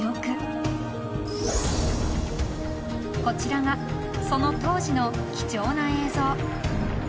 ［こちらがその当時の貴重な映像］